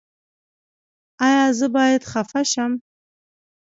ایا زه باید خفه شم؟